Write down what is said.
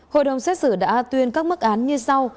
hội đồng xét xử đã tuyên các mức án như sau